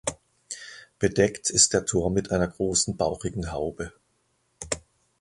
Bedeckt ist der Turm mit einer großen bauchigen Haube.